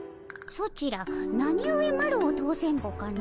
ソチらなにゆえマロを通せんぼかの？